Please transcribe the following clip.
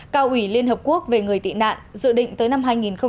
cao ủy liên hợp quốc về người tị nạn dự định tới năm hai nghìn hai mươi